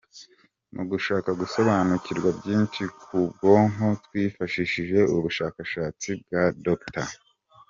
Mu gushaka gusobanukirwa byinshi ku bwonko twifashishije ubushakashatsi bwa Dr.